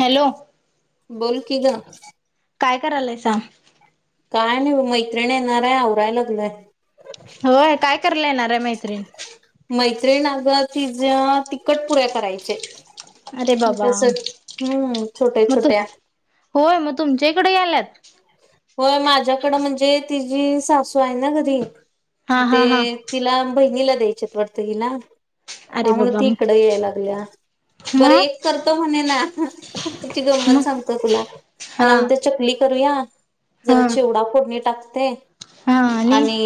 Hello? बोल कि ग. काय करायलयसा? काय नाही ओ, मैत्रिणी येणार य आवराय लागलय. होय काय करलंय येणार ये मैत्रीण? मैत्रीण अग तिज तिखट पुऱ्या करायचेय. अरे म्हणजे बाबा अस हम्म, छोटे, मग तू छोटे. होय मग तुमच्याकडे याल्यात? होय माझ्याकडं म्हणजे तिझी सासू आहे ना घरी हा म हा ते हा तिला बहिणीला द्यायच्यात वाटत तिला अरे त्यामुळे बाबा ती इकडे याय लागलीया, बरं मग एक करतो म्हणेना. आ तिची मग गंमत सांगत तुला आता हा मला म्हणते चकली करूया जरा हा चिवडा फोडणी टाकते आणि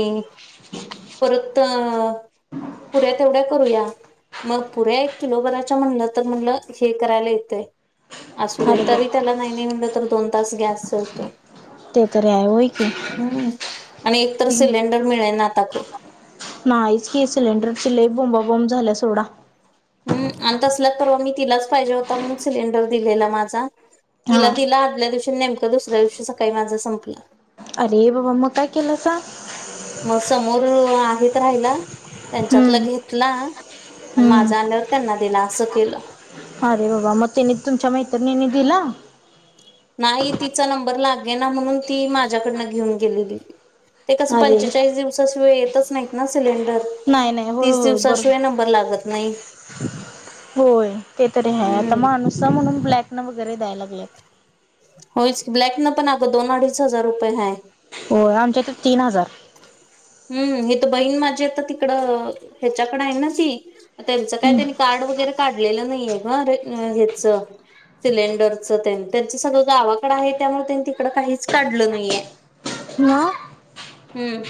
परत पुऱ्या तेवढ्या करूया. मग पुऱ्या एक किलो भरायच म्हणलं तर म्हणलं हे करायला येतय असू दे अरे तरी बाबा त्याला नाही, नाही, म्हणलं तर दोन तास गॅस जढतोय. ते तरी आहे होय की हम्म, आणि एकतर सिलेंडर मिळेना आता ग. नाहीच की सिलेंडरची लयी बोंबा, बॉंब झाल्या सोडा. हम्म आणि तसलाच परवा मी तिलाच पाहिजे होता म्हणून सिलेंडर दिलेला माझा हा तिला दिला आदल्या दिवशी नेमक दुसऱ्या दिवशी सकाळी माझा संपला. अरे बाबा मग काय केलासा? मग समोर आहेत राहिला त्यांच्यातला हम्म घेतला आणि हम्म माझ ल्यावर त्यांना दिला अस केलं. अरे बाबा म तिनी तुमच्या मैत्रिणीनि दिला? नाही तिचा नंबर लागेना म्हणून ती माझ्याकडनं घेऊन गेलेली. ते कस अरे पंचेचाळीस दिवसा शिवाय येतच नाहीत ना सिलेंडर. नाही नाही होय तीस होय दिवसा बर शिवाय नंबर लागत नाही. होय. ते तरी आहे आता हम्म माणूस म्हणून ब्लॅक न वगैरे द्यायला लागले. होच ब्लक न पण अगं दोन, अडीच हजार रुपये हाय. हो आमच्या कडे तीन हजार. हम्म, हे तर बहीण माझी आता तिकडं ह्याच्याकडें आहे ना ती त्यांचं काय त्यांनी कार्ड वगैरे काढलेलं नाहीये ग ह्याच सिलेंडरच त्यांनी त्यांच सगळं गावाकडे आहे त्यामुळे त्यांनी तिकड काहीच काढलं नाहीये. म.. हम्म,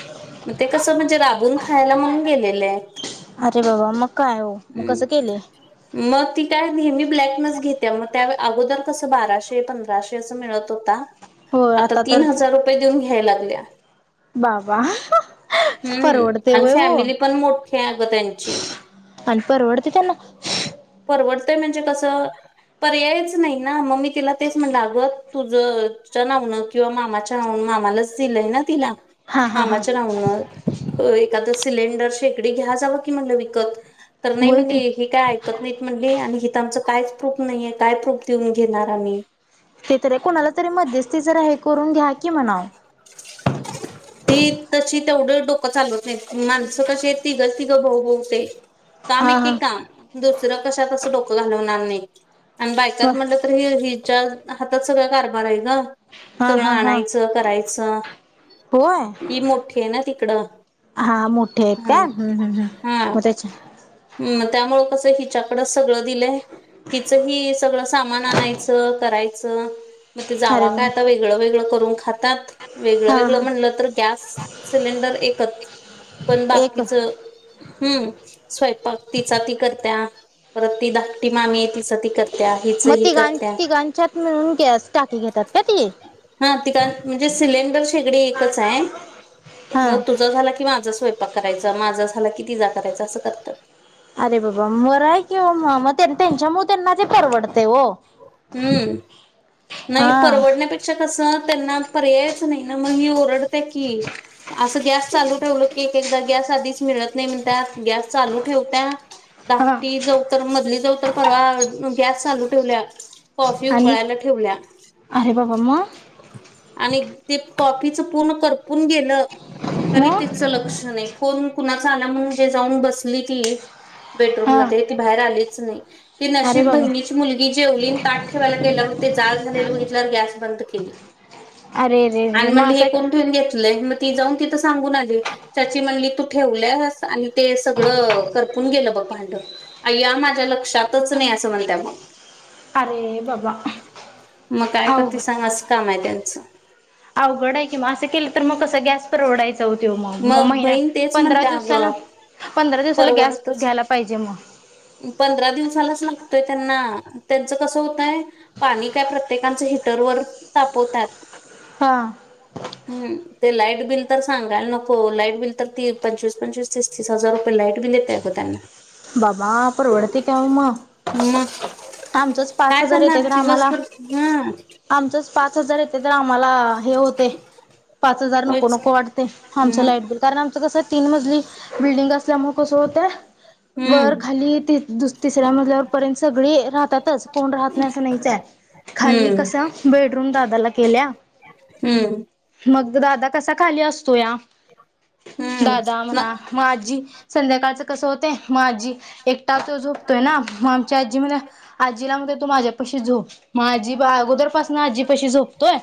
मग ते कस म्हणजे राबून खायला म्हणून गेलेले आहेत. अरे बाबा मग काय हो मग हम्म कसं केलेय. मग ती काय नेहमी ब्लॅकनच घेते मग त्या अगोदर कसं बाराशे, पंधराशे असं मिळत होता. होय आता तर तीन हजार रुपये देऊन घ्याय लागलीया. बाबा.. हम्म, परवडते अन वय हो फॅमिली पण मोठी आहे अग त्यांची. अन परवडते त्यांना? परवडते म्हणजे कस पर्यायच नाहीना ममी तिला तेच म्हणल अग तुझ, तुझ नाव किंवा मामाच्या मामालाच दिलय ना तिला हा हा हा मामाच्या नावन एखादं सिलेंडर शेकडी घ्या जावं की म्हणलं विकत तर नाही होय की म्हणे हे काय आयकत नाहीत म्हणले आणि हित आमच कायच प्रूफ नाहीये काय प्रूफ देऊन घेणार आम्ही ते तरी कोणाला तरी मध्यस्थी, जरा हे करून घ्या कि म्हणाव. ती तशी तेवढं डोकं चालवत नाहीत माणसं कशी तिघच तिघं भाऊ, भाऊच आहे. काम हा एके हा काम दुसरं कशात असं डोकं घालवणार नाई. आणि बर बायकात मनल तर हे हिच्याच हातात सगळ कारभार आहे ग हा सगळं हा हा आणायचं करायचं होय ही मोठी आहे ना तिकडं. हा मोठे आहेत का ह हम्म हम्म् मग तेच्या हम् त्यामुळ कसं हिच्याकडं सगळं दिलंय हिचं ही सगळं सामान आणायचं करायचं. म ते अरे जाव वा काय आता वेगळं वेगळं करून खातात, वेगळं हा हा वेगळं म्हणलं तर गॅस सिलेंडर एकच. पण एक बाकीच हम्म स्वयंपाक तिचा ती करत्या, परत ती धाकटी मामी आहे तिचा ती करत मग तीघा तीघाच्यात मिळून गॅस टाकी घेतात का ती हा तिघा म्हणजे सिलेंडर शेगडी एकच हाय हा. मग तु तुझं झाला की माझा स्वयपाक करायचं, माझा झाला कि तिझा करायच, असं करतात. अरे बाबा बरं हाय कि वो म म तेच्या ते च्यामूळ त्यांना ते परवडतयं वो. हम्म नाही हा. परवडन्या पे कस त्यांना पर्यायचं नाही ना म हि ओरडत्या की असं गॅस चालू ठेवलं की एक एकदा गॅस आधीच मिळत नाही म्हणत्यात गॅस चालू ठेवत्या हा. धाकटी जाऊ तर मधली जाऊ तर परवा गॅस चालू ठेवल्या कॉफी आणि उकळायला ठेवल्या. अरे बाबा मग? आणि ते कॉपीच पूर्ण करपून गेलं तरी मग त्याचं लक्ष नाही. फोण कुणाचा आला म्हणून जे जाऊन बसली ती बेडरूम हा. मध्ये ती बाहेर आलीच नाही. ती अरे नशीब बाबा. बहिणीची मुलगी जेवली ताठ ठेवायला गेला मग ते जाळ झालेले बघितल्यावर गॅस बंद केली. अरे रे रे आणि मग म्हणले असं हे का कोण ठेवून घेतलंय मग ती जाऊन तिथं सांगून आली. चाची म्हणली तू ठेवल्यास आणि ते सगळं करपून गेलं बगं भांडं अय्या माझ्या लक्षातच नाही असं म्हणत्या मग अरे बाबा मग काय अवघड करतीस सांग अस काम हाय त्यांचं अवघड आहे की म असं केलं तर मग कसं गॅस परवडायंचा हो मग म महिना- बहीण तेच पंधरा म्हणत्या अगं दिवसाला पंधरा दिवसाला गॅस परवडतच घ्यायला पाहिजे मग पंधरा दिवसालाच लागतोय त्यांना त्यांचं कसं होतयं पाणी काय प्रत्येकाचं हिटरवर तापवतात. हां हम्म ते लाईट बिल तर सांगायला नको लाईट बिल तर ती पंचवीस पंचवीस तीस तीस हजार रुपये लाईट बिल येतय अग त्यांना. बाबा परवडतय काय व म मग आमचच पाच काय हजार करणार येतय आम्हाला दिवसभर हा आमचच पाच हजार येतय आम्हाला हे होतय पाच हजार नको होयच की नको वाटतय आमचं मग लाईट बिल कारण आमचं कसं तीन मजली बिल्डिंग असल्यामुळ कसं होतय वर हम्म खाली ती दुस तिसऱ्या मजल्यावर पर्यंत सगळी राहतातच कोण राहत नाही असं नाहीच हाय. खाली हम्म कस बेडरूम दादाला केल्या हम्म मग दादा कसा खाली असतोया हम्म दादा न म्हणा म आजी संध्याकाळचं कसं होतय मग आजी एकटा तो झोपतोय ना मग आमच्या आजी म्हण आजीला म्हणतोय तू माझ्या पशी झोप म आजी अगोदरपासून आजीपाशी झोपतोय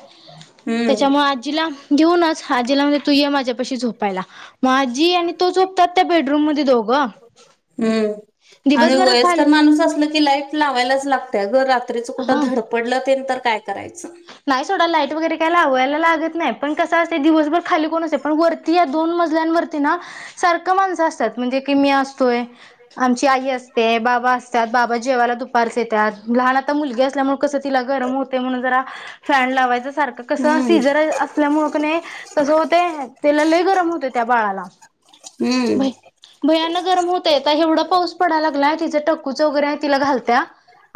हम्म त्याच्यामुळ आजीला घेऊनच आजीला म्हणतोय तू ये माझ्यापाशी झोपायला. म आजी आणि तो झोपतात त्या बेडरूम मध्ये दोघं. हूम्म आणि दिवसभरात खाली वयस्कर माणूस असल की, लाईट लावायलाच लागत्या ग रा- त्रिच कुठ हा धडपडलं तेन तर काय करायचं? नाही सोडा, लाईट वगैरे काय लावायला लागत नाही, पण कस असतय दिवसभर खाली कोण असय, पण वरती या दोन मजल्यांवरती ना सारखं माणसं असत्यात म्हणजे की मी असतोय आमची आई असते, बाबा असत्यात, बाबा जेवायला दुपारच येत्यात, लहान आता मुलगी असल्यामुळ कसं तिला गरम होतंय म्हणून जरा फँन लावायच सारखं? कसं हम्म शिजर अस असल्यामुळे कनी कस होतय, तीला लय गरम होतय त्या बाळाला हम्म भयानक गरम होतय, आता एवढा पाऊस पडाय लागलाय, तिचं टक्कूचं वगैरे हाय तिला घालत्या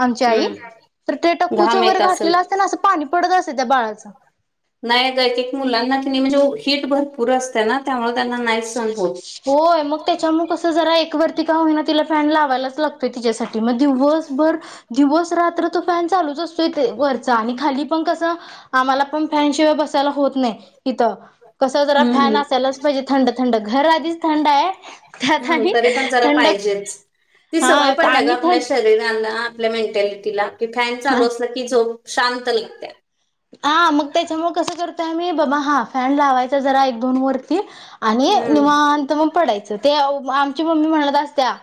आमची आई, हम्म तर ते टक्कूच घाम वगैरे येत असेल. घाटलेलं असतय ना, असं पाणी पडत असतय त्या बाळाचं. नाही अगं, एक एक मुलांना की नाही म्हणजे हिट भरपूर असत्या ना, त्यामुळे त्यांना नाही सहन होत. होय मग, त्याच्यामुळे कसं जरा एक वरती का होईना, तिला फॅन लावायलाच लागतोय तिच्यासाठी. मग दिवसभर, दिवस रात्र तो फॅन चालूच असतोय ते वरचा आणि खाली पण कस आम्हाला पण फॅनशिवाय बसायला होत नाही इथं, कस जरा फॅन हम्म. असायलाच पाहिजे. थंड थंड घर आधीच थंड हाय त्यात हम्म आणि तरी पण जरा थंड पाहिजेच. ती हा सवय पडल्या ग आणि आपल्या श थंड रिराला, आपल्या मेंटॅलिटीला कि, फॅन चालू असल की, झोप शांत लागत्या. हा मग त्याच्यामुळे कसं करतोय आम्ही, बाबा हा फॅन लावायचा जरा एक दोन वरती आणि हम्म निवांत मग पडायचं. ते आमची मम्मी म्हणत असत्या,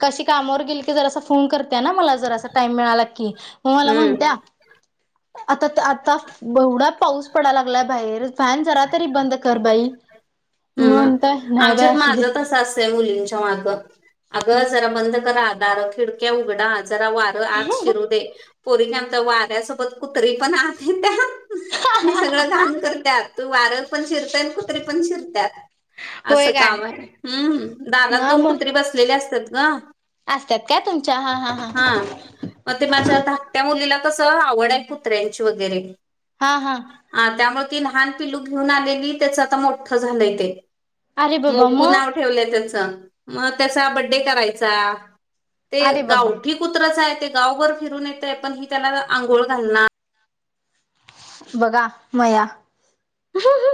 कशी कामावर गेली की, जरा आस फोन करत्या ना मला. जरासा टाईम मिळाला की, मला हम्म. म्हणत्या आता ता आता एवढा पाऊस पडायला लागलाय बाहेर फॅन जरा तरी बंद कर बाई! मी म्हणतोय हम् नाही बाई आमच्यात असू दे माझं तसं असंतय मुलींच्या मा्ग. आगं जरा बंद करा दार, खिडक्या उघडा जरा वारं आत शिरू दे. पोरीने आमच्या वाऱ्यासोबत कुत्री पण आत येत्यात आणि सगळं घाण करत्यात. तू वार पण शिरतय आणि कुत्रि पण शिरत्यात. होय आसं काय काम हाय हूम्म, दारात हा दोन मग कुत्री बसलेली असत्यात ग. असत्यात काय तुमच्या? हा हां हां. म ते माझ्या धाकट्या मुलीला कसं? आवड हाय कुत्र्यांची वगैरे हा हा. आ त्यामुळे ती लहान पिलू घेऊन आलेली, त्याच आता मोठं झालंय ते. अरे बाबा मोकू मग नाव ठेवलंय त्याच, मग त्याचा बड्डे करायचा. ते अरे बाबा गावठी कुत्रच हाय, ते गावघर फिरून येतय, पण ही त्याला आंघोळ घालणार बघा मया [inaudible]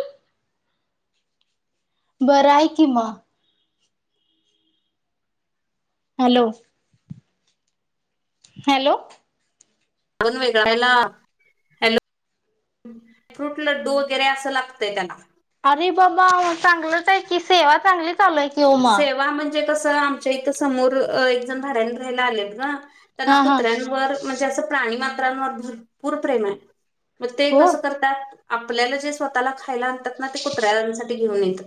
बरं हाय कि म. हॅलो. हॅलो. आवाज वेगळा याला, हॅलो. फ्रूट, लड्डू वगैरे असं लागतंय त्याला. अरे बाबा? चांगलंच हाय की, सेवा चांगली चालू आहे की ओ मग सेवा म्हणजे कसं? आमच्या इथं समोर एकजण भाड्यानी राहायला आलेत ग. त्यांना हा हा कुत्र्यांवर म्हणजे असं प्राणीमात्रांवर भरपूर प्रेम हाय. मग ते हो कसं करतात, आपल्याला जे स्वतःला खायला आणतात ना, ते कुत्र्यासाठी घेऊन येतात.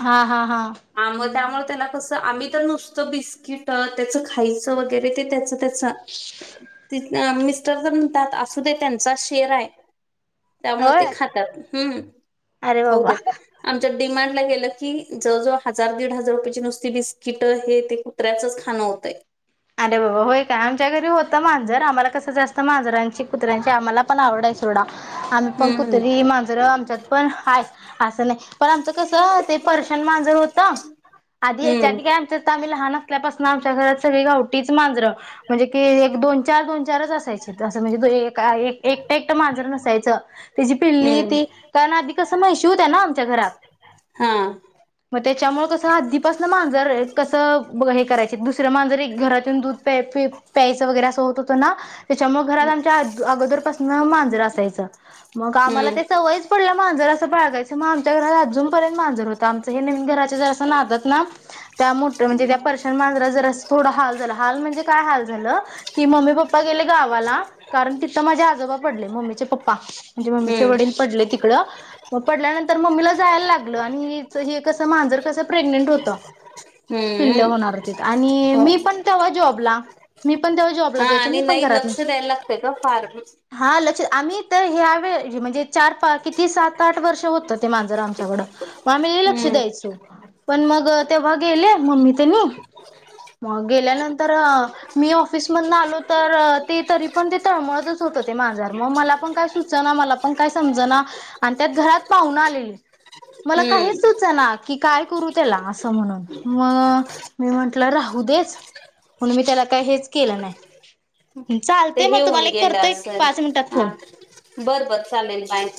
हा हा हा. आ मग त्यामुळे त्याला कस, आम्ही तर नुसतं बिस्किट, त्याच खायचं वगैरे, ते त्याच त्याच, मिस्टर तर म्हणतात, असू दे त्यांचा शेर आहे. त्यामुळे ते होय खातात, हम्म! अरे खाऊ देत. बाबा आमच्या डी मार्ट ला गेलं की, ज जो हजार दीड हजार रुपयाेची नुसती बिस्किट, हे ते नुसत कुत्र्याचच खाणं होतंय. अरे बाबा, होय काय, आमच्या घरी होतं मांजर, आम्हाला कसं जास्त मांजरांची, कुत्र्यांची, आम्हाला पण आवड आहे सोडा, आम्ही पण हम्म कुतरी, मांजरं, आमच्यात पण हाय. असं नाही, पण आमचं कस ते पर्शियन मांजर होतं, आधी, याच्या हम्म आधी काय आम्ही लहान असल्यापासन, आमच्या घरात सगळी गावटीच मांजरं म्हणजे कि एक दोन, चार, दोन, चारच असायचे, असं म्हणजे एकटं एकटं मांजरं नसायचं. तची पिल्ली हम्म ती, कारण आधी कसं म्हैशी होत्या ना आमच्या घरात. हा. मग त्याच्यामुळे कसं आधीपासन मांजर, कसं हे करायचीत, दुसरं मांजर एक घर दूध प्या प्यायचं वगैरे, असं होत होतं ना त्याच्यामुळे घरात आमच्या अगोदर पासन मांजरं असायचं, मग आम्हाला हम्म ते सवय पडल्या मांजर असं बाळगायचं, मग आमच्या घरात अजूनपर्यंत मांजर होतं, आमचं हे नवीन घराच्या जरासं नादात ना [unintelligible] [inaudible] त्या मोठ म्हणजे त्या पर्शन मांजरा जर थोडं हाल झालं, हाल म्हणजे काय हाल झालं, कि मम्मी पप्पा प्पा गेले गावाला, कारण तिथं माझे आजोबा पडले, मम्मीचे पप्पा. म्हणजे मम्मीचे हम्म वडील पडले तिकडं मग पडल्यानंतर मम्मीला जायला लागलं, आणि हे कसं मांजर कसं प्रेग्नेंट होतं पिल्ल हम्म होणार होतीत, आणि हो. मी पण तेव्हा जॉबला, मी पण तेव्हा जॉबला हा, जायचो आणि मी पण नाही घरात लक्ष नस द्यायला लागतय ग फार हा, लक्ष, आम्ही तर ह्या व म्हणजे चार पा किती सात, आठ वर्ष होतं, ते मांजरं आमच्याकडं आम्ही लई लक्ष हम्म द्यायचो, पण मग तेव्हा गेले, मम्मी तेंनी गेल्यानंतर अ मी ऑफिसमधन आलो तर, ते तरी पण ते, तळमळतच होतं ते मांजर. मग मला पण काय सुचना मला पण काय समजना, आणि त्यात घरात पाहून आलेलीत. मला काहीच हम्म सुचना, की काय करू त्याला, असं म्हणून, म मी म्हंटलं राहूदेच, म्हणून मी त्याला काही हेच केलं नाही. ते चालतय म, हे होऊन तुम्हाला एक करतो, एक पाच मिनिटात फोन. बरं बर, चालेल, बाय.